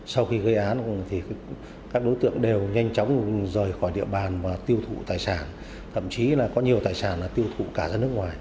sau khi gây án thì các đối tượng đều nhanh chóng rời khỏi địa bàn và tiêu thụ tài sản thậm chí là có nhiều tài sản tiêu thụ cả ra nước ngoài